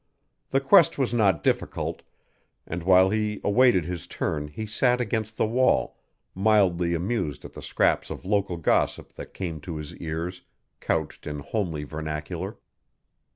The quest was not difficult, and while he awaited his turn he sat against the wall, mildly amused at the scraps of local gossip that came to his ears couched in homely vernacular.